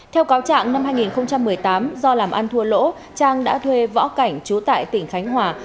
theo cáo trạng năm hai nghìn một mươi tám do làm ăn thua lỗ trang đã thuê võ cảnh trú tại tỉnh khánh hòa